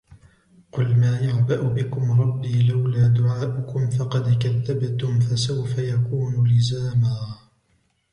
قُلْ مَا يَعْبَأُ بِكُمْ رَبِّي لَوْلَا دُعَاؤُكُمْ فَقَدْ كَذَّبْتُمْ فَسَوْفَ يَكُونُ لِزَامًا